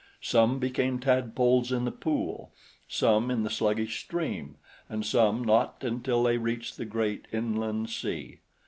Some became tadpoles in the pool, some in the sluggish stream and some not until they reached the great inland sea.